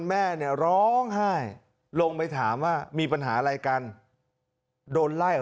แม่เนี่ยร้องไห้ลงไปถามว่ามีปัญหาอะไรกันโดนไล่ออก